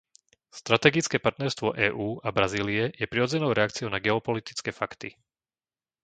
Strategické partnerstvo EÚ a Brazílie je prirodzenou reakciou na geopolitické fakty.